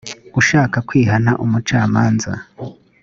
ushaka kwihana umucamanza